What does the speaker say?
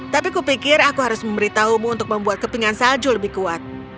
tapi kupikir aku harus memberitahumu untuk membuat kepingan salju lebih kuat